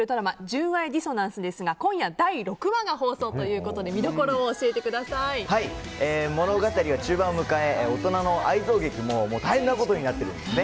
「純愛ディソナンス」ですが今夜、第６話が放送ということで物語は中盤を迎え大人の愛憎劇で大変なことになっているんです。